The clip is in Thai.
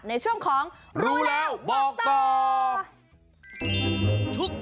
ในช่วงของรู้แล้วบอกต่อ